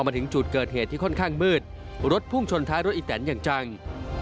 มาถึงจุดเกิดเหตุที่ค่อนข้างมืดรถพุ่งชนท้ายรถอีแตนอย่างจัง